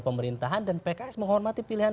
pemerintahan dan pks menghormati pilihan